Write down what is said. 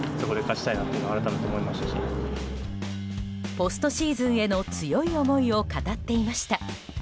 ポストシーズンへの強い思いを語っていました。